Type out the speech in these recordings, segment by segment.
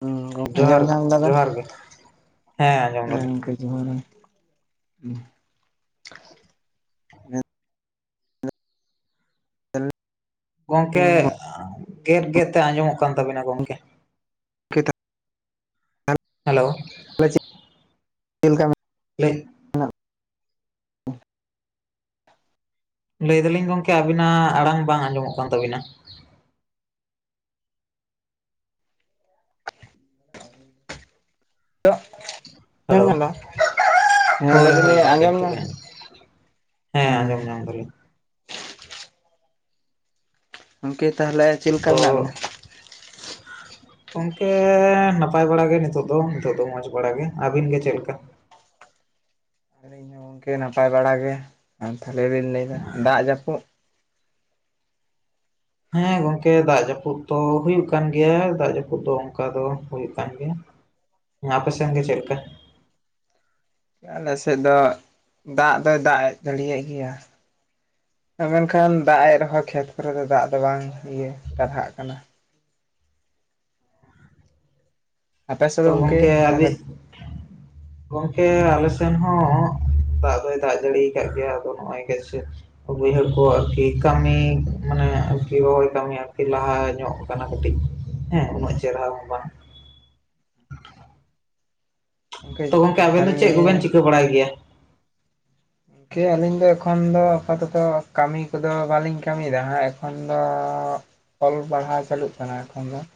ᱦᱩᱸ ᱡᱚᱦᱟᱨ ᱟᱸᱡᱚᱢ ᱧᱟᱢ ᱮᱫᱟ ᱵᱮᱱ ᱡᱚᱦᱟᱨ ᱜᱮ ᱦᱮᱸ ᱟᱸᱡᱚᱢ ᱫᱟᱞᱤᱧ [inaudible] ᱡᱚᱦᱟᱨ [inaudible] ᱜᱚᱢᱠᱮ ᱜᱮᱫ ᱜᱮᱫ ᱛᱮ ᱟᱸᱡᱚᱢᱚᱜ ᱠᱟᱱ ᱛᱟᱵᱤᱱᱟ ᱜᱚᱝᱠᱮ ᱾ ᱠᱮᱛᱟᱜ ᱦᱮᱞᱳ ᱾ [unintelligible] ᱪᱮᱫ [inaudible] ᱪᱮᱫ ᱞᱮᱠᱟ ᱢᱮᱱᱟᱜ [inaudible] ᱵᱤᱱᱟ? ᱞᱟᱹᱭ ᱮᱫᱟᱞᱤᱧ ᱜᱚᱝᱠᱮ ᱟᱹᱵᱤᱱᱟᱜ ᱟᱲᱟᱝ ᱵᱟᱝ ᱟᱸᱡᱚᱢᱚᱜ ᱠᱟᱱ ᱛᱟᱹᱵᱤᱱᱟ ᱾ ᱟᱸᱡᱚᱢ ᱦᱮᱞᱳ ᱾ ᱧᱟᱢ ᱫᱟ ᱦᱮᱸ [inaudible] ᱦᱳᱭ ᱞᱟᱹᱭ ᱦᱳᱭ ᱫᱟᱞᱤᱧ ᱜᱚᱝᱠᱮ ᱟᱸᱡᱚᱢ ᱱᱤᱛᱚᱜ ᱧᱟᱢ ᱜᱮ ᱟᱸᱡᱚᱢ [inaudible] ᱦᱮᱸ ᱦᱩᱸ ᱟᱸᱡᱚᱢ ᱧᱟᱢ ᱮᱫᱟᱞᱤᱧ ᱾ ᱜᱚᱢᱠᱮ ᱛᱟᱦᱚᱞᱮ ᱪᱮᱫ ᱞᱮᱠᱟ ᱛᱚ [inaudible] ᱢᱮᱱᱟᱜ ᱵᱤᱱᱟ? ᱜᱚᱝᱠᱮ ᱱᱟᱯᱟᱭ ᱵᱟᱲᱟ ᱜᱮ ᱱᱤᱛᱚᱜ ᱫᱚ ᱱᱤᱛᱚᱜ ᱫᱚ ᱢᱚᱡᱽ ᱵᱟᱲᱟ ᱜᱮ, ᱟᱹᱵᱤᱱ ᱜᱮ ᱪᱮᱫ ᱞᱮᱠᱟ? ᱟᱹᱞᱤᱧ ᱜᱚᱝᱠᱮ ᱱᱟᱯᱟᱭ ᱵᱟᱲᱟ ᱜᱮ ᱾ ᱟᱨ ᱛᱟᱦᱚᱞᱮ ᱞᱤᱧ ᱞᱟᱹᱭ ᱮᱫᱟ ᱫᱟᱜ ᱡᱟᱹᱯᱩᱫ ᱦᱮᱸ ᱜᱚᱝᱠᱮ ᱫᱟᱜ ᱡᱟᱹᱯᱩᱫ ᱫᱚ ᱦᱩᱭᱩᱜ ᱠᱟᱱ ᱜᱮᱭᱟ, ᱫᱟᱜ ᱡᱟᱹᱯᱩᱫ ᱫᱚ ᱚᱱᱠᱟ ᱫᱚ ᱦᱩᱭᱩᱜ ᱠᱟᱱ ᱜᱮᱭᱟ ᱾ ᱟᱯᱮ ᱥᱮᱱ ᱜᱮ ᱪᱮᱫ ᱞᱮᱠᱟ? ᱟᱞᱮ ᱥᱮᱫ ᱫᱚ ᱫᱟᱜ ᱫᱚᱭ ᱫᱟᱜ ᱮ ᱡᱟᱹᱲᱤᱭᱮᱜ ᱜᱮᱭᱟ ᱾ ᱢᱮᱱᱠᱷᱟᱱ ᱫᱟᱜ ᱮᱜ ᱨᱮᱦᱚᱸ ᱠᱷᱮᱛ ᱠᱚᱨᱮ ᱫᱚ ᱫᱟᱜ ᱫᱚ ᱵᱟᱝ ᱤᱭᱟᱹ ᱴᱟᱨᱦᱟᱜ ᱠᱟᱱᱟ ᱾ ᱟᱯᱮ ᱥᱮᱫ ᱫᱚ ᱛᱚ ᱜᱚᱝᱠᱮ ᱜᱚᱢᱠᱮ ᱛᱟᱦᱚᱞᱮ ᱟᱹᱵᱤ [inaudible] ᱜᱚᱝᱠᱮ ᱟᱞᱮ ᱥᱮᱱ ᱦᱚᱸ ᱫᱟᱜ ᱫᱚᱭ ᱫᱟᱜ ᱡᱟᱹᱲᱤᱭᱟᱠᱟᱫ ᱜᱮᱭᱟ ᱟᱫᱚ ᱱᱚᱸᱜ-ᱚᱭ ᱠᱟᱹᱡ ᱠᱟᱹᱡ ᱾ ᱵᱟᱹᱭᱦᱟᱹᱲ ᱠᱚ ᱟᱨᱠᱤ ᱠᱟᱹᱢᱤ ᱢᱟᱱᱮ ᱟᱨᱠᱤ ᱨᱚᱦᱚᱭ ᱠᱟᱹᱢᱤ ᱟᱨᱠᱤ ᱞᱟᱦᱟ ᱧᱚᱜ ᱟᱠᱟᱱᱟ ᱠᱟᱹᱴᱤᱡ ᱦᱮᱸ ᱩᱱᱟᱹᱜ ᱪᱮᱨᱦᱟ ᱦᱚᱸ ᱵᱟᱝ ᱾ [inaudible] ᱛᱚ ᱜᱚᱝᱠᱮ ᱟᱵᱮᱱ ᱫᱚ ᱛᱟᱦᱚᱞᱮ ᱪᱮᱫ ᱱᱤᱭᱟᱹ ᱠᱚᱵᱮᱱ ᱪᱤᱠᱟᱹ ᱵᱟᱲᱟᱭ ᱜᱮᱭᱟ? ᱠᱮ ᱟᱹᱞᱤᱧ ᱫᱚ ᱮᱠᱷᱚᱱ ᱫᱚ ᱟᱯᱟᱛᱚᱛᱚ ᱠᱟᱹᱢᱤ ᱠᱚᱫᱚ ᱵᱟᱹᱞᱤᱧ ᱠᱟᱹᱢᱤᱭᱮᱫᱟ ᱦᱟᱸᱜ ᱮᱠᱷᱚᱱ ᱫᱚ ᱚᱞ ᱯᱟᱲᱦᱟᱣ ᱪᱟᱹᱞᱩᱜ ᱠᱟᱱᱟ ᱮᱠᱷᱚᱱ ᱫᱚ ᱾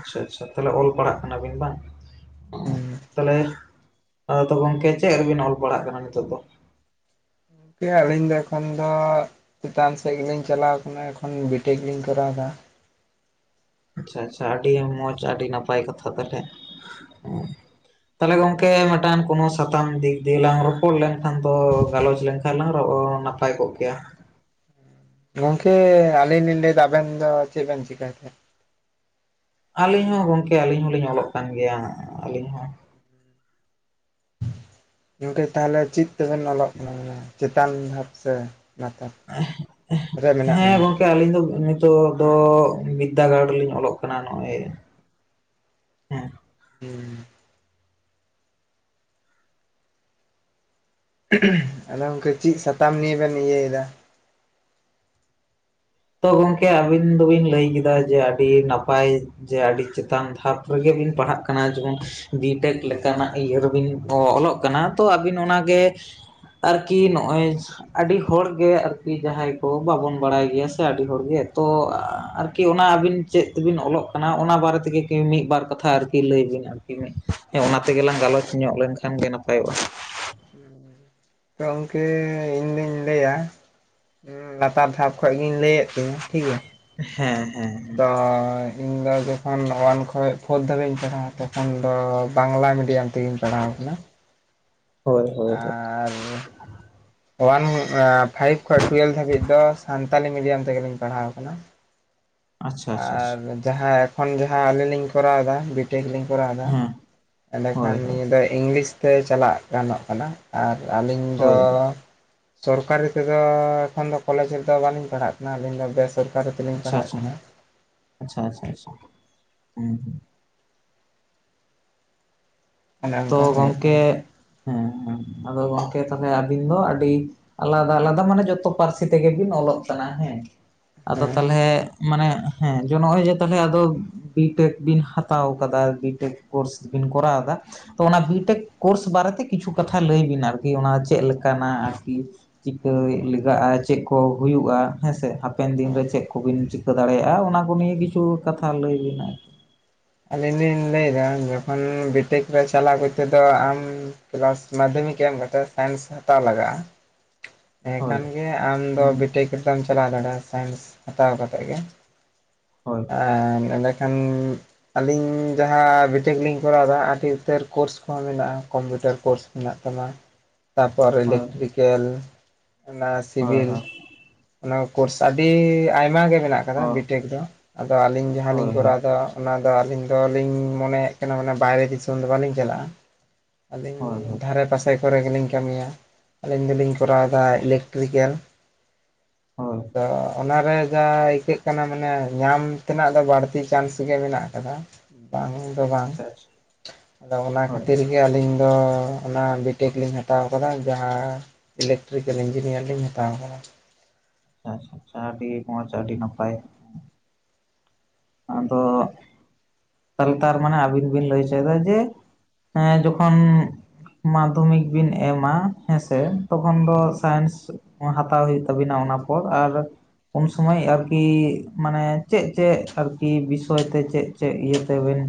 ᱟᱪᱪᱷᱟ ᱟᱪᱪᱷᱟ ᱛᱟᱦᱞᱮ ᱚᱞ ᱯᱟᱲᱦᱟᱜ ᱠᱟᱱᱟᱵᱤᱱ ᱵᱟᱝ ᱾ ᱦᱩᱸ [inaudible] ᱛᱟᱦᱞᱮ ᱟᱫᱚ ᱜᱚᱝᱠᱮ ᱪᱮᱫ ᱨᱮᱵᱤᱱ ᱚᱞ ᱯᱟᱲᱟᱜ ᱠᱟᱱᱟ ᱱᱤᱛᱚᱜ ᱫᱚ? ᱜᱚᱢᱠ ᱟᱹᱞᱤᱧ ᱫᱚ ᱮᱠᱷᱚᱱ ᱫᱚ ᱪᱮᱛᱟᱱ ᱥᱮᱫ ᱜᱮᱞᱤᱧ ᱪᱟᱞᱟᱣ ᱠᱟᱱᱟ ᱮᱠᱷᱚᱱ ᱵᱤᱴᱮᱠ ᱞᱤᱧ ᱠᱚᱨᱟᱣ ᱮᱫᱟ ᱾ ᱟᱪᱪᱷᱟ ᱟᱪᱪᱷᱟ ᱟᱹᱰᱤ ᱢᱚᱸᱡᱽ ᱟᱹᱰᱤ ᱱᱟᱯᱟᱭ ᱠᱟᱛᱷᱟ ᱛᱟᱦᱚᱞᱮ, [inaudible] ᱦᱮᱸ ᱾ ᱛᱟᱦᱚᱞᱮ ᱜᱚᱝᱠᱮ ᱢᱤᱫᱴᱟᱝ ᱠᱳᱱᱳ ᱥᱟᱛᱟᱢ ᱫᱤᱠ ᱫᱤᱭᱮ ᱞᱟᱝ ᱨᱚᱯᱚᱲ ᱞᱮᱱᱠᱷᱟᱱ ᱫᱚ ᱜᱟᱞᱚᱪ ᱞᱮᱱ ᱠᱷᱟᱜ ᱞᱟᱝ ᱨᱚᱜ ᱦᱚᱸ ᱱᱟᱯᱟᱭ ᱠᱚᱜ ᱠᱮᱭᱟ ᱾ ᱜᱚᱝᱠᱮ ᱟᱹᱞᱤᱧ ᱞᱤᱧ ᱞᱟᱹᱭᱮᱫᱟ ᱟᱵᱮᱱ ᱫᱚ ᱪᱮᱫ ᱵᱮᱱ ᱪᱤᱠᱟᱭ ᱛᱮ? ᱟᱹᱞᱤᱧ ᱦᱚᱸ ᱜᱚᱝᱠᱮ ᱟᱹᱞᱤᱧ ᱦᱚᱞᱤᱧ ᱚᱞᱚᱜ ᱠᱟᱱ ᱜᱮᱭᱟ ᱟᱹᱞᱤᱧ ᱦᱚᱸ ᱾ ᱜᱚᱢᱠᱮ ᱛᱟᱦᱚᱞᱮ ᱪᱮᱫ ᱛᱮᱵᱮᱱ ᱚᱞᱚᱜ ᱠᱟᱱᱟ? ᱪᱮᱛᱟᱱ ᱫᱷᱟᱵ ᱥᱮ ᱞᱟᱛᱟᱨ ᱨᱮ [inaudible] ᱢᱮᱱᱟᱜ ᱦᱮᱸ ᱵᱮᱱᱟ ᱜᱚᱝᱠᱮ ᱟᱹᱞᱤᱧ ᱫᱚ ᱱᱤᱛᱚᱜ ᱫᱚ ᱵᱤᱫᱽᱫᱟᱹᱜᱟᱲ ᱨᱮᱞᱤᱧ ᱚᱞᱚᱜ ᱠᱟᱱᱟ ᱱᱚᱜ-ᱚᱭ ᱾ ᱦᱮᱸ ᱾ [inaudible] ᱟᱫᱚ ᱜᱚᱢᱠᱮ ᱪᱮᱫ ᱥᱟᱛᱟᱢ ᱱᱤᱭᱮ ᱵᱮᱱ ᱤᱭᱟᱹᱭ ᱮᱫᱟ? ᱛᱚ ᱜᱚᱢᱠᱮ ᱟᱵᱤᱱ ᱫᱚᱵᱤᱱ ᱞᱟᱹᱭ ᱠᱮᱫᱟ ᱡᱮ ᱟᱹᱰᱤ ᱱᱟᱯᱟᱭ ᱡᱮ ᱟᱹᱰᱤ ᱪᱮᱛᱟᱱ ᱫᱷᱟᱯ ᱨᱮᱜᱮ ᱵᱤᱱ ᱯᱟᱲᱦᱟᱜ ᱠᱟᱱᱟ ᱾ ᱡᱮᱢᱚᱱ ᱵᱤ ᱴᱮᱠ ᱞᱮᱠᱟᱱᱟᱜ ᱤᱭᱟᱹ ᱨᱮᱵᱤᱱ ᱚ ᱚᱞᱚᱜ ᱠᱟᱱᱟ ᱛᱚ ᱟᱹᱵᱤᱱ ᱚᱱᱟᱜᱮ ᱟᱨᱠᱤ ᱱᱚᱜᱼᱚᱭ ᱟᱹᱰᱤ ᱦᱚᱲᱜᱮ ᱟᱨᱠᱤ ᱡᱟᱦᱟᱸᱭ ᱠᱚ ᱵᱟᱵᱚᱱ ᱵᱟᱲᱟᱭ ᱜᱮᱭᱟ ᱛᱚ ᱟᱹᱰᱤ ᱦᱚᱲᱜᱮ ᱛᱚ ᱟᱨᱠᱤ ᱚᱱᱟ ᱟᱹᱵᱤᱱ ᱪᱮᱫ ᱛᱮᱵᱤᱱ ᱚᱞᱚᱜ ᱠᱟᱱᱟ ᱚᱱᱟ ᱵᱟᱨᱮ ᱛᱮᱜᱮ ᱢᱤᱫ ᱵᱟᱨ ᱠᱟᱛᱷᱟ ᱠᱤ ᱞᱟᱹᱭ ᱵᱤᱱ ᱟᱨᱠᱤᱮ [inaudible] ᱦᱮᱸ ᱚᱱᱟ ᱛᱮᱜᱮᱞᱟᱝ ᱜᱟᱞᱚᱪ ᱧᱚᱜ ᱞᱮᱱᱠᱷᱟᱱ ᱜᱮ ᱱᱟᱯᱟᱭᱚᱜᱼᱟ᱾ [inaudible] ᱛᱚ ᱜᱚᱝᱠᱮ ᱤᱧᱫᱩᱧ ᱞᱟᱹᱭᱟ ᱩᱸ ᱞᱟᱛᱟᱨ ᱫᱷᱟᱯ ᱠᱷᱚᱡ ᱜᱤᱧ ᱞᱟᱹᱭᱮᱫ ᱛᱤᱧᱟᱹ ᱴᱷᱤᱠᱜᱮᱭᱟ᱾ ᱦᱮᱸ᱾ ᱦᱮᱸ ᱦᱮᱸ ᱛᱚᱭ ᱤᱧ ᱫᱚ ᱡᱚᱠᱷᱚᱱ ᱚᱣᱟᱱ ᱠᱷᱚᱱ ᱯᱷᱳᱨ ᱫᱷᱟᱹᱵᱤᱡ ᱤᱧ ᱯᱟᱲᱦᱟᱜᱣᱟ ᱛᱚᱠᱷᱚᱱ ᱫᱚ ᱵᱟᱝᱞᱟ ᱢᱤᱰᱤᱭᱟᱢ ᱛᱮᱜᱮᱧ ᱯᱟᱲᱦᱟᱣ ᱠᱟᱱᱟ, ᱦᱳᱭ ᱦᱳᱭ᱾ ᱳᱣᱟᱱ ᱯᱷᱟᱭᱤᱵᱽ ᱠᱷᱚᱡ ᱴᱩᱭᱮᱞ ᱫᱷᱟᱹᱵᱤᱡ ᱫᱚ ᱥᱟᱱᱛᱟᱞᱤ ᱢᱤᱰᱤᱭᱟᱢ ᱛᱮᱜᱮᱞᱤᱧ ᱯᱟᱲᱦᱟᱣ ᱠᱟᱱᱟ᱾ ᱟᱪᱪᱷᱟ ᱟᱪᱪᱷᱟ ᱟᱪᱪᱷᱟ ᱟᱨ ᱡᱟᱦᱟᱸ ᱮᱠᱷᱚᱱ ᱡᱟᱦᱟᱸ ᱟᱹᱞᱤᱧ ᱞᱤᱧ ᱠᱚᱨᱟᱣ ᱫᱟ ᱵᱤ ᱴᱮᱠᱞᱤᱧ ᱠᱚᱨᱟᱣ ᱫᱟ ᱦᱮᱸ ᱦᱳᱭ ᱮᱸᱰᱮᱠᱷᱟᱱ ᱦᱳᱭ ᱱᱤᱭᱟᱹ ᱫᱚ ᱤᱝᱞᱤᱥ ᱛᱮ ᱪᱟᱞᱟᱜ ᱜᱟᱱᱚᱜ ᱠᱟᱱᱟ ᱾ ᱟᱨ ᱟᱹᱞᱤᱧ ᱫᱚ ᱦᱳᱭ ᱥᱚᱨᱠᱟᱨᱤ ᱛᱮᱫᱚ ᱮᱠᱷᱚᱱ ᱫᱚ ᱠᱚᱞᱮᱡᱽ ᱨᱮᱫᱚ ᱵᱟᱹᱞᱤᱧ ᱯᱟᱲᱦᱟᱜ ᱠᱟᱱᱟ, ᱟᱹᱞᱤᱧ ᱫᱚ ᱵᱮ ᱥᱚᱨᱠᱟᱨᱤ ᱛᱮᱞᱤᱧ ᱟᱪᱪᱷᱟ ᱯᱟᱲᱦᱟᱜ ᱟᱪᱪᱷᱟ ᱠᱟᱱᱟ ᱾ ᱟᱪᱪᱷᱟ ᱟᱪᱪᱷᱟ ᱟᱪᱪᱷᱟ ᱦᱩᱸ ᱦᱩᱸ᱾ ᱚᱱᱮ ᱛᱚ ᱚᱱᱠᱟ ᱦᱩᱭᱩᱜ ᱜᱚᱢᱠᱮ ᱠᱟᱱᱟ ᱦᱮᱸ ᱦᱮᱸ ᱟᱫᱚ ᱜᱚᱢᱠᱮ ᱛᱟᱦᱚᱞᱮ ᱟᱹᱵᱤᱱ ᱫᱚ ᱟᱹᱰᱤ ᱟᱞᱟᱫᱟ ᱟᱞᱟᱫᱟ ᱢᱟᱱᱮ ᱡᱚᱛᱚ ᱯᱟᱹᱨᱥᱤ ᱛᱮᱜᱮ ᱵᱤᱱ ᱚᱞᱚᱜ ᱠᱟᱱᱟ ᱦᱮᱸ ᱟᱫᱚ ᱦᱮᱸ ᱛᱟᱦᱚᱞᱮ ᱢᱟᱱᱮ ᱦᱮᱸ ᱡᱚᱱᱚᱜ ᱦᱩᱭᱩᱜᱼᱟ ᱛᱟᱦᱚᱞᱮ ᱟᱫᱚ ᱵᱤᱴᱮᱠ ᱵᱤᱱ ᱦᱟᱛᱟᱣ ᱠᱟᱫᱟ ᱵᱤᱴᱮᱠ ᱠᱳᱨᱥ ᱵᱤᱱ ᱠᱚᱨᱟᱣ ᱫᱟ, ᱛᱚ ᱚᱱᱟ ᱵᱤᱴᱮᱠ ᱠᱳᱨᱥ ᱵᱟᱨᱮᱛᱮ ᱠᱤᱪᱷᱩ ᱠᱟᱛᱷᱟ ᱞᱟᱹᱭ ᱵᱤᱱ ᱟᱨᱠᱤ ᱚᱱᱟ ᱪᱮᱫ ᱞᱮᱠᱟᱱᱟᱜ ᱟᱨᱠᱤ᱾ ᱦᱩᱸ ᱪᱤᱠᱟᱹᱭ ᱞᱮᱜᱟᱜᱼᱟ ᱪᱮᱫ ᱠᱚ ᱦᱩᱭᱩᱜᱼᱟ ᱦᱮᱸᱥᱮ ᱦᱟᱯᱮᱱ ᱫᱤᱱ ᱚ ᱨᱮ ᱪᱮᱫ ᱠᱚᱵᱤᱱ ᱪᱤ ᱠᱟᱹ ᱫᱟᱲᱮᱭᱟᱜᱼᱟ ᱚᱱᱟ ᱠᱚ ᱱᱤᱭᱮ ᱠᱤᱪᱷᱩ ᱠᱟᱛᱷᱟ ᱞᱟᱹᱭᱵᱤᱱ᱾ ᱟᱹᱞᱤᱧ ᱞᱤᱧ ᱞᱟᱹᱭᱫᱟ ᱡᱚᱠᱷᱚᱱ ᱵᱤᱴᱤᱠ ᱨᱮ ᱪᱟᱞᱟᱜᱣ ᱠᱚᱛᱮᱫᱚ ᱟᱢ ᱠᱮᱞᱟᱥ ᱢᱟᱫᱽᱫᱷᱚᱢᱤᱠ ᱮᱢ ᱠᱟᱛᱮᱫ ᱥᱟᱭᱮᱱᱥ ᱦᱟᱛᱟᱣ ᱞᱟᱜᱟᱜᱼᱟ, ᱦᱳᱭ ᱮᱸᱠᱷᱟᱱᱜᱮ ᱟᱢᱫᱚ ᱦᱩᱸ ᱵᱤᱴᱮᱠ ᱨᱮᱫᱚᱢ ᱪᱟᱞᱟᱣ ᱫᱟᱲᱮᱭᱟᱜᱼᱟ ᱥᱟᱭᱮᱱᱥ ᱦᱟᱛᱟᱣ ᱠᱟᱛᱮᱫ ᱜᱮ᱾ ᱦᱳᱭ᱾ ᱟᱨ ᱮᱸᱰᱮᱠᱷᱟᱱ ᱟᱞᱤᱧ ᱡᱟᱦᱟᱸ ᱵᱤᱴᱮᱠ ᱞᱤᱧ ᱠᱚᱨᱟᱣ ᱫᱟ ᱟᱹᱰᱤ ᱩᱛᱟᱹᱨ ᱠᱳᱨᱥ ᱠᱚᱦᱚᱸ ᱢᱮᱱᱟᱜᱼᱟ ᱠᱚᱢᱯᱤᱭᱩᱴᱟᱨ ᱠᱳᱨᱥ ᱢᱮᱱᱟᱜ ᱛᱟᱢᱟ, [unintelligible] ᱛᱟᱯᱚᱨ ᱦᱳᱭ ᱤᱞᱮᱠᱴᱨᱤᱠᱮᱞ ᱚᱱᱟ ᱦᱳᱭ ᱦᱳᱭ ᱥᱤᱵᱤᱞ ᱦᱳᱭ ᱚᱱᱟ ᱠᱳᱨᱥ ᱟᱹᱰᱤ ᱟᱭᱢᱟ ᱜᱮ ᱢᱮᱱᱟᱜ ᱠᱟᱫᱟ ᱵᱤᱴᱮᱠ ᱫᱚ ᱟᱫᱚ ᱟᱹᱞᱤᱧ ᱡᱟᱦᱟᱸᱞᱤᱧ ᱦᱳᱭ ᱠᱚᱨᱟᱣ ᱫᱟ ᱚᱱᱟᱫᱚ ᱟᱹᱞᱤᱧ ᱫᱚᱞᱤᱧ ᱢᱚᱱᱮᱭᱮᱜ ᱠᱟᱱᱟ ᱢᱟᱱᱮ ᱵᱟᱭᱨᱮ ᱫᱤᱥᱚᱢ ᱫᱚ ᱵᱟᱞᱤᱧ ᱪᱟᱞᱟᱜᱼᱟ, ᱦᱳᱭ ᱟᱹᱞᱤᱧ ᱦᱳᱭ ᱫᱷᱟᱨᱮ ᱯᱟᱥᱮ ᱠᱚᱨᱮ ᱜᱮᱞᱤᱧ ᱠᱟᱹᱢᱤᱭᱟ ᱟᱹᱞᱤᱧ ᱫᱚᱞᱤᱧ ᱠᱚᱨᱟᱣ ᱟ ᱤᱞᱮᱠᱴᱨᱤᱠᱮᱞ ᱦᱳᱭ ᱟᱫᱚ ᱚᱱᱟᱨᱮ ᱡᱟ ᱟᱹᱭᱠᱟᱹᱜ ᱠᱟᱱᱟ ᱢᱟᱱᱮ ᱧᱟᱢ ᱛᱮᱱᱟᱜ ᱫᱚ ᱵᱟᱹᱲᱛᱤ ᱪᱟᱱᱥ ᱜᱮ ᱢᱮᱱᱟᱜ ᱠᱟᱫᱟ᱾ ᱵᱟᱝ ᱫᱚ ᱵᱟᱝ ᱟᱪᱪᱷᱟ ᱟᱪᱪᱷᱟ ᱟᱫᱚ ᱚᱱᱟ ᱦᱳᱭ ᱠᱷᱟᱹᱛᱤᱨ ᱜᱮ ᱟᱹᱞᱤᱧ ᱫᱚ ᱚᱱᱟ ᱵᱤᱴᱮᱠ ᱞᱤᱧ ᱦᱟᱛᱟᱣ ᱠᱟᱫᱟ ᱡᱟᱦᱟᱸ ᱤᱞᱮᱠ ᱴᱨᱤᱠᱮᱞ ᱤᱧᱡᱤᱱᱤᱭᱟᱨ ᱞᱤᱧ ᱦᱟᱛᱟᱣ ᱠᱟᱫᱟ᱾ ᱟᱪᱪᱷᱟ ᱟᱪᱪᱷᱟ ᱟᱹᱰᱤ ᱢᱚᱡᱽ ᱟᱹᱰᱤ ᱱᱟᱯᱟᱭ᱾ ᱟᱫᱚ ᱛᱚ ᱛᱟᱨ ᱢᱟᱱᱮ ᱟᱹᱵᱤᱱ ᱵᱤᱱ ᱞᱟᱹᱭ ᱦᱚᱪᱚᱭᱫᱟ ᱡᱮ ᱦᱮᱸ ᱡᱚᱠᱷᱚᱱ ᱢᱟᱫᱽᱫᱷᱚᱢᱤᱠ ᱵᱤᱱ ᱮᱢᱟ ᱦᱮᱸᱥᱮ ᱛᱚᱠᱷᱚᱱ ᱫᱚ ᱥᱟᱭᱮᱱᱥ ᱦᱟᱛᱟᱣ ᱦᱩᱭᱩᱜ ᱛᱟᱵᱤᱱᱟ ᱚᱱᱟ ᱯᱚᱨ ᱟᱨ ᱩᱱ ᱥᱩᱢᱟᱹᱭ ᱟᱨᱠᱤ ᱢᱟᱱᱮ ᱪᱮᱫ ᱪᱮᱫ ᱟᱨᱠᱤ ᱵᱤᱥᱚᱭ ᱛᱮ ᱪᱮᱫ ᱪᱮᱫ ᱤᱭᱟᱹ ᱛᱟᱵᱮᱱ,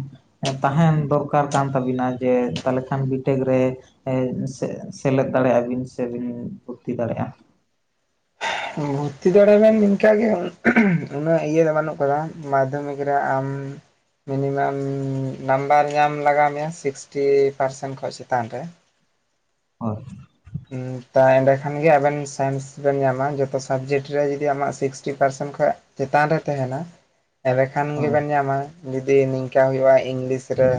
ᱛᱟᱦᱮᱱ ᱫᱚᱨᱠᱟᱨ ᱠᱟᱱ ᱛᱟᱵᱤᱱᱟ ᱡᱮ ᱛᱟᱦᱚᱞᱮ ᱠᱷᱟᱱ ᱵᱤᱴᱮᱠ ᱨᱮ ᱮ ᱥᱮ ᱥᱮᱞᱮᱫ ᱫᱟᱲᱮᱜ ᱟᱵᱤᱱ ᱥᱮᱵᱤᱱ ᱵᱷᱩᱛᱛᱤ ᱫᱟᱲᱮᱜ-ᱟ, ᱵᱷᱩᱨᱛᱤ ᱫᱟᱲᱮᱭᱟᱢ ᱱᱤᱝᱠᱟᱜᱮ ᱩᱱᱟᱹᱜ ᱤᱭᱟᱹ ᱫᱚ ᱵᱟᱹᱱᱩᱜ ᱠᱟᱫᱟ ᱢᱟᱫᱽᱫᱷᱚᱢᱤᱠ ᱨᱮ ᱟᱢ ᱢᱤᱱᱤᱢᱟᱢ ᱱᱟᱢᱵᱟᱨ ᱧᱟᱢ ᱞᱟᱜᱟᱣ ᱢᱮᱭᱟ ᱥᱤᱠᱥᱴᱤ ᱯᱟᱨᱥᱮᱱ ᱠᱷᱚᱱ ᱪᱮᱛᱟᱱ ᱨᱮ, ᱚᱭ ᱦᱩᱸ ᱛᱟ ᱮᱸᱰᱮᱠᱷᱟᱱ ᱜᱮ ᱟᱵᱮᱱ ᱥᱟᱭᱮᱱᱥ ᱵᱮᱱ ᱧᱟᱢᱟ ᱡᱚᱛᱚ ᱥᱟᱵᱡᱮᱠᱴ ᱨᱮ ᱡᱚᱫᱤ ᱟᱢᱟᱜ ᱥᱤᱠᱥᱴᱤ ᱯᱟᱨᱥᱮᱱ ᱠᱷᱚᱡ ᱪᱮᱛᱟᱱ ᱨᱮ ᱛᱮᱦᱮᱱᱟ ᱮᱸᱰᱮ ᱠᱷᱟᱱ ᱦᱳᱭ ᱜᱮᱵᱮᱱ ᱧᱟᱢᱟ ᱡᱩᱫᱤ ᱱᱤᱝᱠᱟ ᱦᱩᱭᱩᱜ-ᱟ ᱤᱝᱞᱤᱥ ᱨᱮ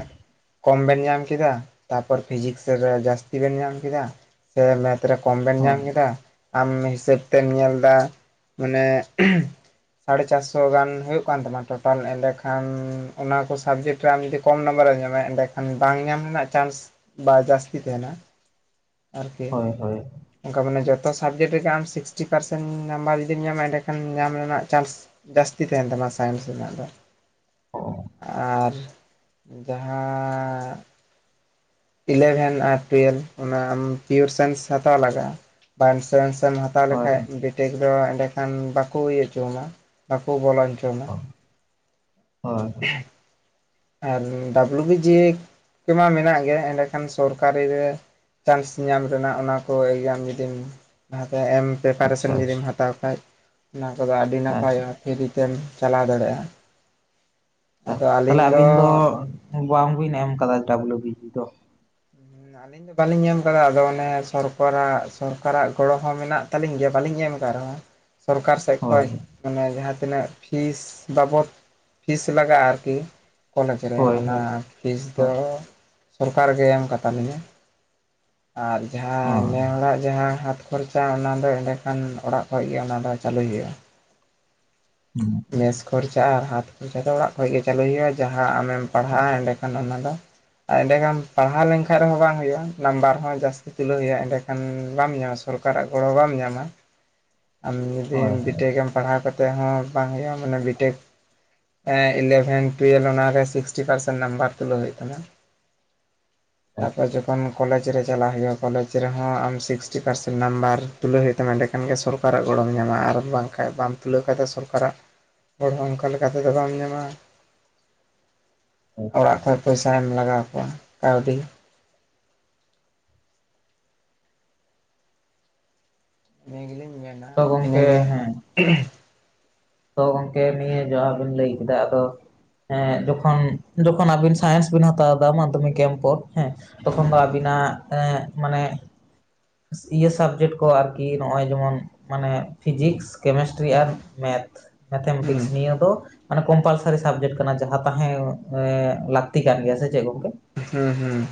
ᱠᱚᱢ ᱵᱮᱱ ᱧᱟᱢ ᱠᱮᱫᱟ ᱛᱟᱯᱚᱨ ᱯᱷᱤᱡᱤᱠᱥ ᱨᱮ ᱡᱟᱹᱥᱛᱤ ᱵᱮᱱ ᱧᱟᱢ ᱠᱮᱫᱟ, ᱥᱮ ᱢᱮᱛᱷ ᱨᱮ ᱠᱚᱢ ᱵᱮᱱ ᱧᱟᱢ ᱦᱳᱭ ᱠᱮᱫᱟ ᱟᱢ ᱦᱤᱥᱟᱹᱵ ᱛᱮᱢ ᱧᱮᱞ ᱫᱟ ᱢᱟᱱᱮ ᱥᱟᱲᱮ ᱪᱟᱨᱥᱚ ᱜᱟᱱ ᱦᱩᱭᱩᱜ ᱠᱟᱱ ᱛᱟᱢᱟ ᱴᱳᱴᱟᱞ ᱮᱰᱮᱠᱷᱟᱱ ᱚᱱᱟ ᱠᱚ ᱥᱟᱵᱽᱡᱮᱠᱴ ᱨᱮᱢ ᱡᱩᱫᱤ ᱠᱚᱢ ᱱᱟᱢᱵᱟᱨ ᱨᱮᱢ ᱧᱟᱢᱟ ᱮᱸᱰᱮᱠᱷᱟᱱ ᱵᱟᱝ ᱧᱟᱢ ᱨᱮᱱᱟᱜ ᱪᱟᱱᱥ ᱵᱟ ᱡᱟᱹᱥᱛᱤ ᱛᱟᱦᱮᱱᱟ᱾ ᱟᱨᱠᱤ ᱦᱳᱭ ᱚᱝᱠᱟ ᱢᱟᱱᱮ ᱡᱚᱛᱚ ᱥᱟᱵᱡᱮᱠᱴ ᱨᱮᱜᱮ ᱟᱢ ᱥᱤᱠᱥᱴᱤ ᱯᱟᱨᱥᱮᱱ ᱱᱟᱢᱵᱟᱨ ᱡᱩᱫᱤᱢ ᱧᱟᱢᱟ ᱮᱸᱰᱮᱠᱷᱟᱱ ᱧᱟᱢ ᱨᱮᱱᱟᱜ ᱪᱟᱱᱥ ᱡᱟᱹᱥᱛᱤ ᱛᱮᱦᱮᱱ ᱛᱟᱢᱟ ᱥᱟᱭᱮᱱᱥ ᱨᱮᱱᱟᱜ ᱫᱚ᱾ ᱟᱨ ᱡᱟᱦᱟᱸ ᱤᱞᱮᱵᱷᱮᱱ ᱟᱨ ᱴᱩᱭᱮᱞᱵᱷ ᱚᱱᱟ ᱟᱢ ᱯᱤᱭᱳᱨᱥᱮᱱᱥ ᱦᱟᱛᱟᱣ ᱞᱟᱜᱟ-ᱟ ᱵᱟ ᱤᱱᱥᱩᱨᱮᱱᱥ ᱮᱢ ᱦᱟᱛ ᱦᱟᱛᱟᱣ ᱦᱳᱭ ᱦᱳᱭ ᱞᱮᱠᱷᱟᱡ ᱵᱤᱴᱮᱠ ᱫᱚ ᱮᱸᱰᱮ ᱠᱷᱟᱱ ᱵᱟᱠᱚ ᱤᱭᱟᱹ ᱚᱪᱚᱣ ᱢᱟ ᱵᱟᱠᱚ ᱵᱚᱞᱚ ᱦᱚᱪᱚ ᱟᱢᱟ ᱦᱳᱭ [inaudible] ᱟᱨ ᱰᱟᱵᱞᱩ ᱵᱤ ᱡᱮᱠ ᱠᱚᱢᱟ ᱢᱮᱱᱟᱜ ᱜᱮ ᱮᱸᱰᱮᱠᱷᱟᱱ ᱥᱚᱨᱠᱟᱨᱤ ᱨᱮ ᱪᱟᱱᱥ ᱧᱟᱢ ᱨᱮᱱᱟᱜ ᱚᱱᱟᱠᱚ ᱮᱠᱡᱟᱢ ᱡᱩᱫᱤᱢ ᱞᱟᱦᱛᱮᱢ ᱯᱮᱯᱟᱨᱮᱥᱮᱱ ᱟᱪᱪᱷᱟ ᱡᱩᱫᱤᱢ ᱟᱪᱪᱷᱟ ᱦᱟᱛᱟᱣ ᱠᱷᱟᱡ ᱚᱱᱟ ᱠᱚᱫᱚ ᱟᱹᱰᱤ ᱟᱪᱪᱷᱟ ᱱᱟᱯᱟᱭᱚᱜ-ᱟ ᱯᱷᱨᱤ ᱛᱮᱢ ᱪᱟᱞᱟᱣ ᱫᱟᱲᱮᱜ-ᱟ᱾ ᱪᱷᱟ ᱛᱟᱦᱞᱮ ᱟᱹᱵᱤᱱ ᱫᱚ ᱵᱟᱝᱵᱤᱱ ᱮᱢ ᱠᱟᱫᱟ ᱰᱟᱵᱞᱩ ᱵᱤ ᱯᱤ ᱫᱚ? ᱟᱹᱞᱤᱧ ᱫᱚ ᱵᱟᱹᱞᱤᱧ ᱮᱢ ᱠᱟᱫᱟ ᱟᱫᱚ ᱚᱱᱮ ᱥᱚᱨᱠᱟᱨᱟᱜ ᱥᱚᱨᱠᱟᱨᱟᱜ ᱜᱚᱲᱚ ᱦᱚᱸ ᱢᱮᱱᱟᱜ ᱛᱟᱹᱞᱤᱧ ᱜᱮᱭᱟ ᱵᱟᱹᱞᱤᱧ ᱮᱢ ᱠᱟᱜ ᱨᱮᱦᱚᱸ, ᱥᱚᱨᱠᱟᱨ ᱥᱮᱜ ᱦᱳᱭ ᱠᱷᱚᱡ ᱢᱟᱱᱮ ᱡᱟᱦᱟᱸ ᱛᱤᱱᱟᱹᱜ ᱯᱷᱤᱥ ᱵᱟᱵᱚᱫ ᱯᱷᱤᱥ ᱞᱟᱜᱟ-ᱟ ᱟᱨᱠᱤ ᱠᱚᱞᱮᱡᱽ ᱨᱮ ᱦᱳᱭ ᱚᱱᱟ ᱦᱳᱭ ᱯᱷᱤᱥ ᱫᱚ ᱥᱚᱨᱠᱟᱨ ᱜᱮᱭ ᱮᱢ ᱠᱟᱛᱟ ᱞᱤᱧᱟᱹ᱾ ᱟᱨ ᱡᱟᱦᱟᱸ ᱱᱮ ᱦᱳᱭ ᱦᱚᱲᱟᱜ ᱡᱟᱦᱟᱸ ᱦᱟᱛ ᱠᱷᱚᱨᱪᱟ ᱚᱱᱟ ᱫᱚ ᱮᱸᱰᱮ ᱠᱷᱟᱱ ᱚᱲᱟᱜ ᱠᱷᱚᱡ ᱜᱮ ᱚᱱᱟ ᱫᱚ ᱪᱟᱹᱞᱩ ᱦᱩᱭᱩᱜ-ᱟ᱾ ᱦᱩᱸ ᱢᱮᱥ ᱠᱷᱚᱨᱪᱟ ᱟᱨ ᱦᱟᱛ ᱠᱷᱚᱨᱪᱟ ᱫᱚ ᱚᱲᱟᱜ ᱠᱷᱚᱡ ᱜᱮ ᱪᱟᱹᱩ ᱦᱩᱭᱩᱜ-ᱟ, ᱡᱟᱦᱟᱸ ᱟᱢᱮᱢ ᱯᱟᱲᱦᱟᱜ-ᱟ ᱮᱸᱰᱮᱠᱷᱟᱱ ᱚᱱᱟ ᱫᱚ ᱟᱨ ᱮᱸᱰᱮᱠᱷᱟᱱ ᱯᱟᱲᱦᱟᱣ ᱞᱮᱝᱠᱷᱟᱡ ᱨᱮᱦᱚᱸ ᱵᱟᱝ ᱦᱩᱭᱩᱜ-ᱟ ᱱᱟᱢᱵᱟᱨ ᱦᱚᱸ ᱡᱟᱥ ᱛᱩᱞᱟᱹᱣ ᱦᱩᱭᱩᱜ-ᱟ ᱮᱸᱰᱮᱠᱷᱟᱱ ᱵᱟᱢ ᱧᱟᱢᱟ ᱥᱚᱨᱠᱟᱨᱟᱜ ᱜᱚᱲᱚ ᱵᱟᱢ ᱧᱟᱢᱟ, ᱟᱢ ᱡᱩᱫᱤ ᱦᱳᱭ ᱵᱤᱴᱮᱠᱢ ᱯᱟᱲᱦᱟᱣ ᱠᱟᱛᱮᱜ ᱦᱚᱸ ᱵᱟᱝ ᱦᱩᱭᱩᱜ-ᱟ ᱢᱟᱱᱮ ᱵᱤᱴᱮᱠ ᱮᱸ ᱤᱞᱮᱵᱷᱮᱱ ᱴᱩᱭᱮᱞᱵᱷ ᱚᱱᱟᱨᱮ ᱥᱤᱠᱥᱴᱤ ᱯᱟᱨᱥᱮᱱᱴ ᱱᱟᱢᱵᱟᱨ ᱛᱩᱞᱟᱹᱣ ᱦᱩᱭᱩᱜ ᱛᱟᱢᱟ᱾ [inaudible] ᱛᱟᱯᱚᱨ ᱡᱚᱠᱷᱚᱱ ᱠᱚᱞᱮᱡᱽ ᱨᱮ ᱪᱟᱞᱟᱜ ᱦᱩᱭᱩᱜᱼᱟ ᱠᱚᱞᱮᱡᱽ ᱨᱮᱦᱚᱸ ᱟᱢ ᱥᱤᱠᱥᱴᱤ ᱯᱟᱨᱥᱮᱱ ᱱᱟᱢᱵᱟᱨ ᱛᱩᱞᱟᱹᱣ ᱦᱩᱭᱩᱜ ᱛᱟᱢᱟ ᱮᱸᱰᱮᱠᱷᱟᱱ ᱜᱮ ᱥᱚᱨ ᱠᱟᱨᱟᱜ ᱜᱚᱲᱚᱢ ᱧᱟᱢᱟ ᱟᱨ ᱵᱟᱝᱠᱷᱟᱡ ᱵᱟᱢ ᱛᱩᱞᱟᱹᱣ ᱠᱷᱟᱡ ᱫᱚ ᱥᱚᱨᱠᱟᱨᱟᱜ ᱦᱚᱲ ᱦᱚᱸ ᱚᱱᱠᱟ ᱞᱮᱠᱟ ᱛᱮᱫᱚ ᱵᱟᱢ ᱧᱟᱢᱟ᱾ [unintelligible] ᱚᱲᱟᱜ ᱠᱷᱚᱡ ᱯᱚᱭᱥᱟᱭ ᱮᱢ ᱞᱟᱜᱟᱣ ᱠᱚᱣᱟ, ᱠᱟᱹᱣᱰᱤ᱾ ᱤᱱᱟᱹ ᱜᱮᱞᱤᱧ ᱢᱮᱱᱟ, ᱛᱚ ᱜᱚᱝᱠᱮ ᱤᱱᱟᱹᱜᱮ᱾ ᱦᱮᱸ ᱛᱚ ᱜᱚᱢᱠᱮ ᱱᱤᱭᱟᱹ ᱡᱟᱸᱦᱟ ᱵᱤᱱ ᱞᱟᱹᱭ ᱠᱮᱫᱟ ᱟᱫᱚ ᱮᱸ ᱡᱚᱠᱷᱚᱱ ᱡᱚᱠᱷᱚᱱ ᱟᱵᱤᱱ ᱥᱟᱭᱮᱱᱥ ᱵᱤᱱ ᱦᱟᱛᱟᱣ ᱮᱫᱟ ᱢᱟᱫᱽᱫᱷᱚᱢᱤᱠ ᱮᱢ ᱯᱚᱨ ᱦᱮᱸ ᱦᱩᱸ ᱛᱚᱠᱷᱚᱱ ᱫᱚ ᱟᱹᱵᱤᱱᱟᱜ ᱮᱸ ᱢᱟᱱᱮ ᱤᱭᱟᱹ ᱥᱟᱵᱡᱮᱠᱴ ᱠᱚ ᱟᱨᱠᱤ ᱱᱚᱜᱼᱚᱭ ᱡᱮᱢᱚᱱ, ᱢᱟᱱᱮ ᱯᱷᱤᱡᱤᱠᱥ ᱠᱮᱢᱮᱥᱴᱨᱤ ᱟᱨ ᱦᱩᱸ ᱢᱮᱛᱷ, ᱢᱮᱛᱷᱮᱢᱮᱴᱤᱠᱥ ᱱᱤᱭᱟᱹ ᱫᱚ ᱢᱟᱱᱮ ᱠᱚᱢᱯᱟᱞᱥᱟᱨᱤ ᱥᱟᱵᱡᱮᱠᱴ ᱠᱟᱱᱟ ᱡᱟᱦᱟᱸ ᱛᱟᱦᱮᱸ ᱮᱻ ᱞᱟᱹᱠᱛᱤ ᱠᱟᱱ ᱜᱮᱭᱟ ᱥᱮ ᱪᱮᱫ ᱜᱚᱢᱠᱮ? ᱦᱩᱸ ᱦᱩᱸ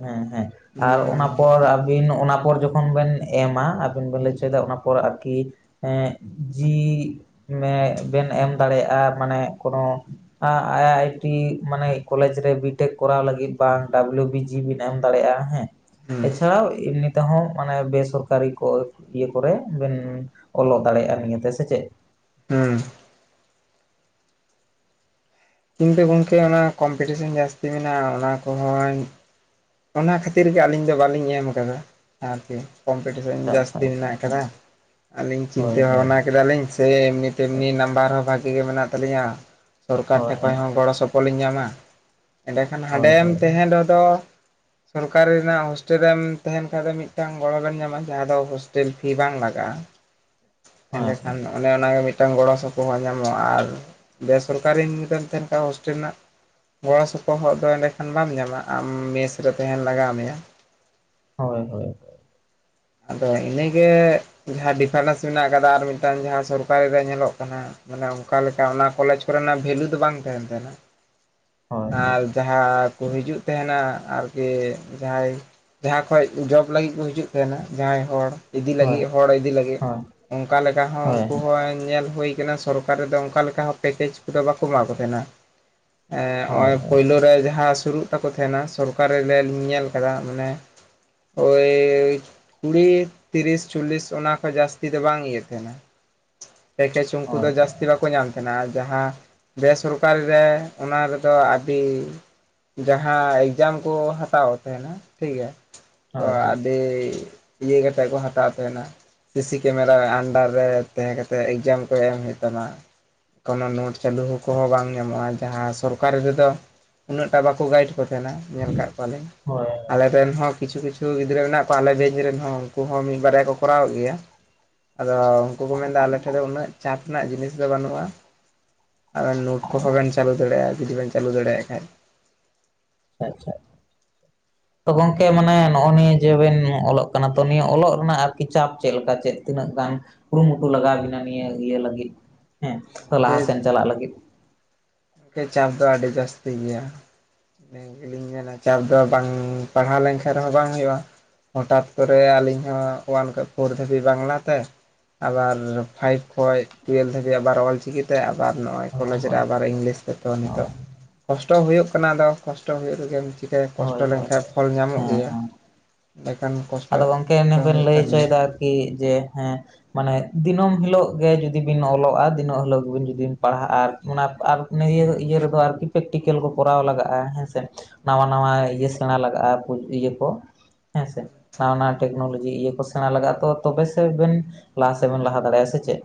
ᱦᱮᱸ ᱦᱮᱸ ᱟᱨ ᱦᱩᱸ ᱚᱱᱟ ᱯᱚᱨ ᱟᱨ ᱚᱱᱟ ᱯᱚᱨ ᱡᱚᱠᱷᱚᱱ ᱵᱮᱱ ᱮᱢᱟ, ᱟᱵᱤᱱ ᱵᱮᱱ ᱞᱟᱹᱭ ᱦᱚᱪᱚᱭᱮᱫᱟ ᱚᱱᱟ ᱯᱚᱨ ᱟᱨᱠᱤ ᱮᱸ ᱡᱤ ᱢᱮ ᱵᱮᱱ ᱮᱢ ᱫᱟᱲᱮᱭᱟᱜᱼᱟ ᱢᱟᱱᱮ ᱠᱳᱱᱳ ᱟᱭ ᱟᱭ ᱴᱤ ᱢᱟᱱᱮ ᱠᱚᱞᱮᱡᱽ ᱨᱮ ᱵᱤᱴᱮᱠ ᱠᱚᱨᱟᱣ ᱞᱟᱹᱜᱤᱫ ᱵᱟᱝ ᱰᱟᱵᱞᱩ ᱵᱤᱪ ᱡᱤᱣᱤ ᱵᱤᱱ ᱮᱢ ᱫᱟᱲᱮᱭᱟᱜᱼᱟ ᱦᱮᱸ, ᱦᱩᱸ ᱮᱪᱷᱟᱣ ᱮᱢᱱᱤ ᱛᱮᱸᱦᱚ ᱢᱟᱱᱮ ᱵᱮᱥᱚᱨᱠᱟᱨᱤ ᱠᱚ ᱤᱭᱟᱹ ᱠᱚᱨᱮ ᱵᱮᱱ ᱚᱞᱚᱜ ᱫᱟᱲᱮᱭᱟᱜᱼᱟ ᱱᱤᱭᱟ. ᱛᱮ ᱥᱮ ᱪᱮᱫ? ᱦᱩᱸ ᱤᱧ ᱫᱚ ᱜᱚᱢᱠᱮ ᱚᱱᱟ ᱠᱚᱢᱯᱤᱴᱤᱥᱮᱱ ᱡᱟᱹᱥᱛᱤ ᱢᱮᱱᱟᱜᱼᱟ ᱚᱱᱟ ᱠᱚᱸᱦᱚᱧ ᱚᱱᱟ ᱠᱷᱟᱹᱛᱤᱨ ᱜᱮ ᱟᱹᱞᱤᱧ ᱫᱚ ᱵᱟᱹᱞᱤᱧ ᱮᱢ ᱟᱠᱟᱫᱟ ᱟᱨᱠᱤ᱾ ᱠᱚᱢᱯᱤᱴᱤᱥᱮᱱ ᱟᱪᱪᱷᱟ ᱡᱟᱹᱥᱛᱤ ᱟᱪᱪᱷᱟ ᱢᱮᱱᱟᱜ ᱟᱠᱟᱫᱟ, ᱟᱹᱞᱤᱧ ᱦᱳᱭ ᱪᱤᱱᱛᱟᱹ ᱦᱳᱭ ᱵᱷᱟᱵᱱᱟ ᱠᱮᱫᱟᱞᱤᱧ᱾ ᱥᱮ ᱮᱢᱱᱤ ᱛᱮᱢᱱᱤ ᱱᱟᱢᱵᱟᱨ ᱦᱚᱸ ᱵᱷᱟᱜᱤ ᱜᱮ ᱢᱮᱱᱟᱜ ᱛᱟᱞᱤᱧᱟ, ᱥᱚᱨᱠᱟᱨ ᱦᱳᱭ ᱴᱷᱮᱡ ᱠᱷᱚᱡ ᱦᱚᱸ ᱜᱚᱲᱚ ᱥᱚᱯ ᱠᱚᱞ ᱤᱧ ᱧᱟᱢᱟ, ᱮᱸᱰᱮᱠᱷᱟᱱ ᱦᱳᱭ ᱦᱟᱸᱰᱮᱢ ᱦᱳᱭ ᱛᱮᱸᱦᱮᱱ ᱨᱮᱫᱚ ᱥᱚᱨᱠᱟᱨᱤ ᱨᱮᱱᱟᱜ ᱦᱳᱥᱴᱮᱞ ᱨᱮᱢ ᱛᱟᱸᱦᱮᱱ ᱠᱷᱟ ᱫᱚ ᱢᱤᱫᱴᱟᱝ ᱜᱚᱲᱚ ᱵᱮᱱ ᱧᱟᱢᱟ, ᱡᱟᱸᱦᱟ ᱫᱚ ᱦᱳᱥᱴᱮᱞ ᱯᱷᱤ ᱵᱟᱝ ᱞᱟᱜᱟᱜᱼᱟ᱾ [unintelligible] ᱮᱰᱮ ᱦᱳᱭ ᱠᱷᱟᱱ ᱫᱚ ᱚᱱᱮ ᱚᱱᱠᱟᱜᱮ ᱢᱤᱫᱴᱟᱝ ᱜᱚᱲᱚ ᱥᱚᱯᱚᱦᱚᱫ ᱧᱟᱢᱚᱜᱼᱟ, ᱟᱨ ᱵᱮᱥᱚᱨᱠᱟᱨᱤᱢ ᱡᱚᱫᱤᱢ ᱛᱟᱦᱮᱱ ᱠᱷᱟᱱ ᱦᱳᱥᱴᱮᱞ ᱨᱮᱱᱟᱜ ᱜᱚᱲᱚ ᱥᱚᱯᱚᱦᱚᱫ ᱫᱚ ᱮᱸᱰᱮᱠᱷᱟᱱ ᱵᱟᱢ ᱧᱟᱢᱟ, ᱟᱢ ᱢᱮᱥ ᱨᱮ ᱛᱟᱦᱮᱱ ᱞᱟᱜᱟᱣ ᱢᱮᱭᱟ᱾ ᱦᱳᱭ ᱦᱳᱭ ᱦᱳᱭ᱾ ᱟᱫᱚ ᱤᱱᱟᱹᱜᱮ ᱡᱟᱸᱦᱟ ᱰᱤᱯᱷᱟᱨᱮᱱᱥ ᱢᱮᱱᱟᱜ ᱟᱠᱟᱫᱟ ᱟᱨ ᱢᱤᱫᱴᱟᱝ ᱡᱟᱸᱦᱟ ᱥᱚᱨᱠᱟᱨᱤ ᱨᱮ ᱧᱮᱞᱚᱜ ᱠᱟᱱᱟ ᱢᱟᱱᱮ ᱚᱱᱠᱟ ᱞᱮᱠᱟ ᱚᱱᱟ ᱠᱚᱞᱮᱡᱽ ᱠᱚᱨᱮᱱᱟᱜ ᱵᱷᱮᱞᱩ ᱫᱚ ᱵᱟᱝ ᱛᱟᱦᱮᱱ ᱛᱟᱦᱮᱱᱟ᱾ [unintelligible] ᱟᱨ ᱡᱟᱸᱦᱟ ᱠᱚ ᱦᱤᱡᱩᱜ ᱛᱟᱦᱮᱱᱟ, ᱟᱨ ᱡᱮ ᱡᱟᱦᱟᱸᱭ ᱡᱟᱦᱟᱸ ᱠᱷᱚᱡ ᱡᱚᱵ ᱞᱟᱹᱜᱤᱫ ᱠᱚ ᱦᱤᱡᱩᱜ ᱛᱟᱦᱮᱱᱟ ᱡᱟᱦᱟᱸᱭ ᱦᱚᱲ ᱤᱫᱤ ᱦᱳᱭ ᱦᱳᱭ ᱞᱟᱹᱜᱤᱫ ᱦᱚᱲ ᱤᱫᱤ ᱞᱟᱹᱜᱤᱫ, ᱦᱳᱭ ᱚᱱᱠᱟ ᱞᱮᱠᱟ ᱦᱚᱸ ᱦᱳᱭ ᱩᱱᱠᱩ ᱦᱚᱸ ᱧᱮᱞ ᱦᱩᱭ ᱠᱟᱱᱟ ᱥᱚᱨᱠᱟᱨ ᱨᱮᱫᱚ ᱚᱱᱠᱟ ᱞᱮᱠᱟ ᱯᱮᱠᱮᱡ ᱠᱚᱫᱚ ᱵᱟᱠᱚ ᱮᱢᱟ ᱠᱚ ᱛᱟᱦᱮᱱᱟ, ᱮᱸ ᱦᱳᱭ ᱚᱭ ᱯᱳᱭᱞᱳ ᱨᱮ ᱡᱟᱦᱟᱸ ᱥᱩᱨᱩᱜ ᱛᱟᱠᱚ ᱛᱟᱦᱮᱱᱟ ᱥᱚᱨᱠᱟᱨᱮ ᱞᱮ ᱧᱮᱞ ᱟᱠᱟᱫᱟ ᱢᱟᱱᱮ ᱳᱭᱻ ᱠᱩᱲᱤ, ᱛᱤᱨᱤᱥ, ᱪᱚᱞᱞᱤᱥ ᱚᱱᱟ ᱠᱚ ᱡᱟᱹᱥᱛᱤ ᱫᱚ ᱵᱟᱝ ᱤᱭᱤᱭᱟᱹ ᱛᱟᱦᱮᱱᱟ᱾ ᱯᱮᱠᱮᱡᱽ ᱩᱱᱠᱩ ᱦᱳᱭ ᱫᱚ ᱡᱟᱹᱥᱛᱤ ᱵᱟᱠᱚ ᱧᱟᱢ ᱛᱟᱦᱮᱱᱟ, ᱟᱨ ᱡᱟᱸᱦᱟ ᱵᱮᱥᱚᱨᱠᱟᱨᱤ ᱨᱮ ᱚᱱᱟ ᱨᱮᱫᱚ ᱟᱹᱰᱤ ᱡᱟᱦᱟᱸ ᱮᱠᱡᱟᱢ ᱠᱚ ᱦᱟᱛᱟᱣ ᱛᱟᱦᱮᱱᱟ ᱴᱷᱤᱠ ᱜᱮᱭᱟ, ᱛᱚ ᱦᱳᱭ ᱦᱳᱭ ᱟᱹᱰᱤ ᱤᱭᱟᱹ ᱠᱟᱛᱮ ᱠᱚ ᱦᱟᱛᱟᱣ ᱛᱟᱦᱮᱱᱟ᱾ ᱥᱤᱥᱤ ᱠᱮᱢᱮᱨᱟ ᱟᱱᱰᱟᱨ ᱨᱮ ᱛᱟᱸᱦᱮ ᱠᱟᱛᱮᱫ ᱮᱠᱡᱟᱢ ᱠᱚ ᱮᱢ ᱦᱩᱭᱩᱜ ᱛᱟᱢᱟ, ᱚᱚᱱᱚ ᱱᱳᱴ ᱪᱟᱹᱞᱩ ᱠᱚᱦᱚᱸ ᱟᱪᱪᱷᱟ ᱵᱟᱝ ᱧᱟᱢᱚᱜᱼᱟ ᱡᱟᱦᱟᱸ ᱥᱚᱨᱠᱟᱨᱤ ᱨᱮᱫᱚ ᱩᱱᱟᱹᱜ ᱴᱟ ᱵᱟᱠᱚ ᱜᱟᱭᱤᱰ ᱠᱚ ᱛᱟᱦᱮᱱᱟ। ᱧᱮᱞ ᱠᱟᱜ ᱠᱚᱣᱟᱞᱤᱧ᱾ ᱦᱳᱭ ᱟᱞᱮ ᱟᱪᱪᱷᱟ ᱨᱮᱱ ᱦᱚᱸ ᱠᱤᱪᱷᱩ ᱠᱤᱪᱷᱩ ᱜᱤᱫᱽᱨᱟᱹ ᱢᱮᱱᱟᱜ ᱠᱚᱣᱟ ᱟᱞᱮ ᱵᱮᱪ ᱨᱮᱱ ᱦᱚᱸ ᱩᱱᱠᱩ ᱦᱚᱸ ᱢᱤᱫ ᱵᱟᱨᱭᱟ ᱠᱚ ᱠᱚᱨᱟᱣ ᱮᱫ ᱜᱮᱭᱟ᱾ [inaudible] ᱟᱫᱚ ᱩᱱᱠᱩ ᱠᱚ ᱢᱮᱱᱫᱟ ᱟᱞᱮ ᱴᱷᱮᱡ ᱫᱚ ᱩᱱᱟᱹᱜ ᱪᱟᱯ ᱨᱮᱱᱟᱜ ᱡᱤᱱᱤᱥ ᱫᱚ ᱵᱟᱹᱱᱩᱜᱼᱟ, ᱟᱵᱮᱱ ᱱᱳᱴ ᱠᱚᱦᱚᱸ ᱵᱮᱱ ᱪᱟᱹᱞᱩ ᱫᱟᱲᱮᱭᱟᱜᱼᱟ ᱡᱩᱫᱤ ᱵᱮᱱ ᱪᱟᱹᱞᱩ ᱫᱟᱲᱮᱭᱟᱜ ᱠᱷᱟᱡ। ᱟᱪᱪᱷᱟ। ᱛᱚ ᱜᱚᱝᱠᱮ ᱢᱟᱱᱮ ᱱᱚᱜᱼᱚ ᱱᱤᱭᱟᱹ ᱡᱮ ᱵᱮᱱ ᱚᱞᱚᱜ ᱠᱟᱱᱟ ᱛᱚ ᱱᱤᱭᱟᱹ ᱚᱞᱚᱜ ᱨᱮᱱᱟᱜ ᱟᱨᱠᱤ ᱪᱟᱯ ᱪᱮᱫ ᱞᱮᱠᱟ ᱪᱮᱫ ᱛᱤᱱᱟᱹᱜ ᱜᱟᱱ? ᱠᱩᱨᱩᱢᱩᱴᱩ ᱞᱟᱜᱟᱣ ᱵᱤᱱᱟ ᱱᱤᱭᱟᱹ ᱤᱭᱟᱹ ᱞᱟᱹᱜᱤᱫ ᱦᱮᱸ, ᱛᱚ ᱞᱟᱦᱟ ᱥᱮᱱ ᱪᱟᱞᱟᱜ ᱞᱟᱹᱜᱤᱫ᱾ ᱠᱮ ᱪᱟᱯ ᱫᱚ ᱟᱹᱰᱤ ᱡᱟᱹᱥᱛᱤ ᱜᱮᱭᱟ। ᱟᱞᱤᱧ ᱜᱮᱞᱤᱧ ᱢᱮᱱᱟ ᱪᱟᱯ ᱫᱚ ᱵᱟᱝ ᱯᱟᱲᱦᱟᱣ ᱞᱮᱱᱠᱷᱟᱡ ᱨᱮᱦᱚᱸ ᱵᱟᱝ ᱦᱩᱭᱩᱜᱼᱟ। ᱦᱚᱴᱟᱛ ᱠᱚᱨᱮ ᱟᱹᱞᱤᱧ ᱦᱚᱸ ᱚᱣᱟᱱ ᱠᱷᱚᱡ ᱯᱷᱳᱨ ᱫᱷᱟᱹᱵᱤᱡ ᱵᱟᱝᱞᱟᱛᱮ ᱟᱵᱟᱨ ᱯᱷᱟᱭᱤᱵ ᱠᱷᱚᱡ ᱴᱩᱭᱮᱞᱵ ᱫᱷᱟᱹᱵᱤᱡ ᱚᱞ ᱪᱤᱠᱤᱛᱮ ᱟᱵᱟᱨ ᱱᱚᱜ-ᱚᱭ ᱦᱳᱭ ᱠᱚᱞᱮᱡᱽ ᱨᱮ ᱦᱳᱭ ᱟᱵᱟᱨ ᱤᱝᱞᱤᱥ ᱛᱮ ᱛᱚ ᱱᱤᱛᱚᱜ ᱦᱳᱭ ᱠᱚᱥᱴᱚ ᱦᱩᱭᱩᱜ ᱠᱟᱱᱟ ᱟᱫᱚ ᱠᱚᱥᱴᱚ ᱦᱩᱭᱩᱜ ᱨᱮᱜᱮᱢ ᱪᱤᱠᱟᱭᱟ, ᱦᱳᱭ ᱠᱚᱥᱴᱚ ᱦᱳᱭ ᱞᱮᱱᱠᱟᱱ ᱯᱷᱚᱞ ᱧᱟᱢᱚᱜ ᱦᱮᱸ ᱜᱮᱭᱟ। ᱦᱮᱸ ᱮᱸᱰᱮᱠᱷᱟᱱ ᱠᱚᱥᱴᱚᱜ ᱫᱚ ᱦᱩᱭᱩᱜ ᱠᱟᱱ ᱜᱮᱭᱟ। ᱠᱤ ᱡᱮ ᱦᱮᱸ ᱢᱟᱱᱮ ᱫᱤᱱᱟᱹᱢ ᱦᱤᱞᱳᱜ ᱜᱮ ᱡᱩᱫᱤ ᱵᱤᱱ ᱚᱞᱚᱜᱼᱟ, ᱫᱤᱱᱟᱹᱢ ᱦᱤᱞᱳᱜ ᱵᱤᱱ ᱡᱩᱫᱤ ᱵᱤᱱ ᱯᱟᱲᱦᱟᱜᱼᱟ ᱟᱨ ᱚᱱᱟ ᱟᱨ ᱱᱤᱭᱟᱹ ᱤᱭᱟᱹ ᱨᱮᱫᱚ ᱟᱨᱠᱤ ᱯᱮᱠᱴᱤᱠᱮᱞ ᱠᱚ ᱠᱚᱨᱟᱣ ᱞᱟᱜᱟᱜᱼᱟ ᱦᱮᱸᱥᱮ ᱱᱟᱣᱟ ᱱᱟᱣᱟ ᱤᱭᱟᱹ ᱥᱮᱬᱟ ᱞᱟᱜᱟᱜᱼᱟ ᱯᱩ ᱤᱭᱟᱹ ᱠᱚ, ᱦᱮᱸᱥᱮ᱾ ᱱᱟᱣᱟ ᱱᱟᱣᱟ ᱴᱮᱠᱱᱳᱞᱚᱡᱤ ᱤᱭᱟᱹ ᱠᱚ ᱥᱮᱬᱟ ᱞᱟᱜᱟᱜᱼᱟ ᱛᱚ, ᱛᱚᱵᱮ ᱥᱮ ᱵᱮᱱ ᱞᱟᱦᱟ ᱥᱮᱫ ᱵᱮᱱ ᱞᱟᱦᱟ ᱫᱟᱲᱮᱭᱟᱜᱼᱟ ᱥᱮ ᱪᱮᱫ᱾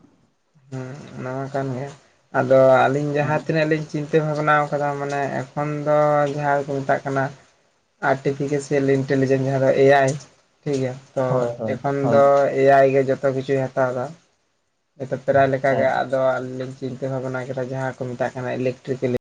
ᱦᱩᱸ ᱚᱱᱟ ᱢᱟ ᱠᱟᱱ ᱜᱮᱭᱟ, ᱟᱫᱚ ᱟᱹᱞᱤᱧ ᱡᱟᱦᱟᱸ ᱦᱮᱸ ᱛᱤᱱᱟᱹᱜ ᱞᱤᱧ ᱪᱤᱱ ᱛᱟᱹ ᱵᱷᱟᱵᱽᱱᱟᱣ ᱠᱟᱫᱟ ᱢᱟᱱᱮ ᱮᱠᱷᱚᱱ ᱫᱚ ᱡᱟᱦᱟᱸ ᱫᱚᱠᱚ ᱢᱮᱛᱟᱜ ᱠᱟᱱᱟ ᱟᱨᱴᱤᱯᱷᱤᱠᱮᱥᱮᱞ ᱤᱱᱴᱮᱞᱤᱡᱮᱱᱥ ᱡᱟᱦᱟᱸ ᱫᱚ ᱮ ᱟᱭ, ᱴᱷᱤᱠ ᱜᱮᱭᱟ, ᱛᱚ ᱦᱳᱭ ᱦᱳᱭ ᱮᱠᱷᱚᱱ ᱦᱳᱭ ᱫᱚ ᱮ ᱟᱭ ᱜᱮ ᱡᱚᱛᱚ ᱠᱤᱪᱷᱩᱭ ᱦᱟᱛᱟᱣ ᱮᱫᱟ। ᱦᱮᱸᱛᱚ ᱯᱨᱟᱭ ᱞᱮᱠᱟ ᱟᱪᱪᱷᱟ ᱜᱮ ᱟᱪᱪᱷᱟ ᱟᱫᱚ ᱟᱞᱤᱧ ᱞᱤᱧ ᱪᱤᱱᱛᱟᱹ ᱵᱷᱟᱵᱱᱟ ᱠᱮᱫᱟ ᱡᱟᱦᱟᱸ ᱠᱚ ᱢᱮᱛᱟᱜ ᱠᱟᱱᱟ ᱤᱞᱮᱠᱴᱨᱤᱠᱮᱞ